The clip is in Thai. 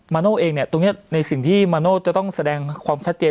มันโอเอ่งเนี่ยตรงเนี่ยในสิ่งที่มันโอจะต้องแสดงความชัดเจน